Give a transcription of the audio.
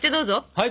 はい！